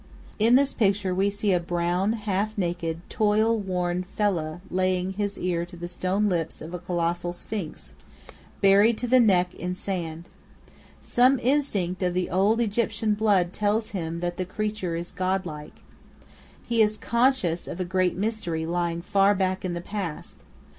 In this picture, we see a brown, half naked, toil worn Fellâh laying his ear to the stone lips of a colossal Sphinx, buried to the neck in sand. Some instinct of the old Egyptian blood tells him that the creature is God like. He is conscious of a great mystery lying far back in the past.